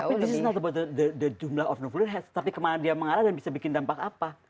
tapi this is not about the jumlah of nuklir heads tapi kemana dia mengarah dan bisa bikin dampak apa